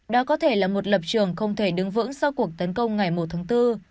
đó có thể là một lập trường không thể đứng vững sau cuộc tấn công ngày một tháng bốn